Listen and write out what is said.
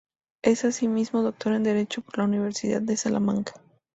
Es, asimismo, doctor en Derecho por la Universidad de Salamanca.